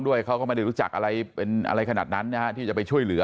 เขาก็ไม่ได้รู้จักอะไรเป็นอะไรขนาดนั้นนะฮะที่จะไปช่วยเหลือ